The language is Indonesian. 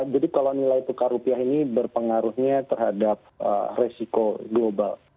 jadi kalau nilai tukar rupiah ini berpengaruhnya terhadap resiko global